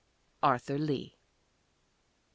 ARTHUR LEE